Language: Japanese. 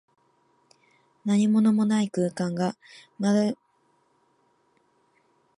何物もない空間が、無辺際に広がっている様子の形容。「縹渺」は広々としている様。遠くはるかに見えるさま。